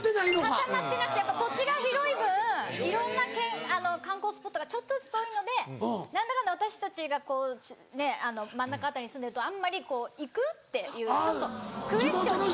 固まってなくて土地が広い分いろんな観光スポットがちょっとずつ遠いので何だかんだ私たちがこうねっ真ん中辺りに住んでるとあんまりこう「行く？」っていうちょっとクエスチョンになっちゃう。